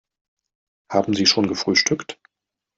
Haben Sie schon gefrühstückt?